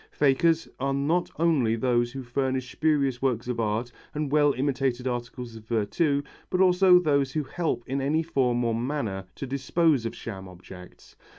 Fakers are not only those who furnish spurious works of art and well imitated articles of virtu, but also those who help in any form or manner to dispose of sham objects.